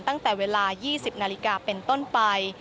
ตั้งแต่เวลา๒๐นาฬิกาเป็นต้นไป